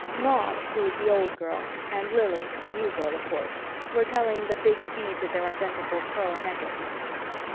Maud, who is the Old Girl, and Lili the New Girl, of course were telling the big beads of their identical pearl necklaces.